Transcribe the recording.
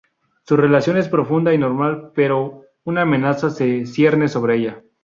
Su relación es profunda y normal pero una amenaza se cierne sobre ella.